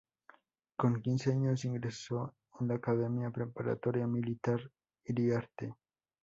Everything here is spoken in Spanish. Con quince años ingresó en la Academia preparatoria Militar Iriarte.